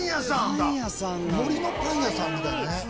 森のパン屋さんみたいなね。